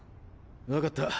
分かった。